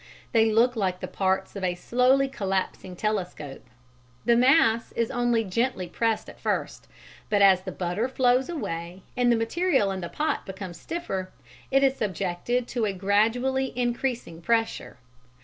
They look like the parts of a slowly collapsing telescope. The "mass" is only gently pressed at first, but as the butter flows away and the material in the pot becomes stiffer, it is subjected to a gradually increasing pressure.